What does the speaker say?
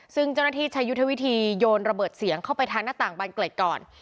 ซึ่งเจ้าหน้าที่ใช้ยุทธวิธีโยนระเบิดเสียงเข้าไปทางหน้าต่างบานเกล็ดก่อน